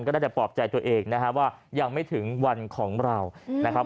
ได้แต่ปลอบใจตัวเองนะฮะว่ายังไม่ถึงวันของเรานะครับ